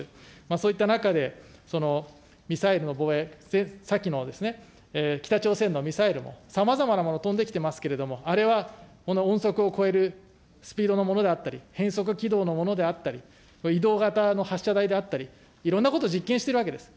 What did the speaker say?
そういった中で、ミサイルの防衛、さきの北朝鮮のミサイルもさまざまなもの、飛んできていますけれども、あれは音速を超えるスピードのものであったり、変則軌道のものであったり、移動型の発射台であったり、いろんなこと実験しているわけです。